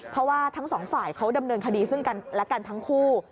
เพราะว่าทั้งสองฝ่ายเขาดำเนินคดีซึ่งกันและกันทั้งคู่